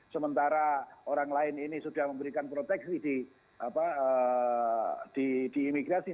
sementara orang lain ini sudah memberikan proteksi di imigrasi